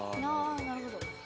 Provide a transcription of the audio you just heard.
なるほど。